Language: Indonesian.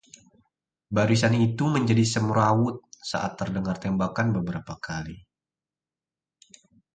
barisan itu menjadi semrawut saat terdengar tembakan beberapa kali